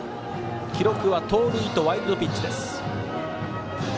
記録は盗塁とワイルドピッチ。